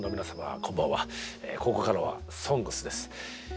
こんばんはここからは「ＳＯＮＧＳ」です。